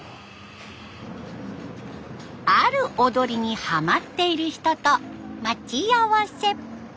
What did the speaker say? ある踊りにはまっている人と待ち合わせ。